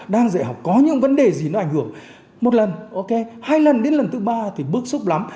đang dạy học có những vấn đề gì nó ảnh hưởng một lần ok hai lần đến lần thứ ba thì bước xúc lắm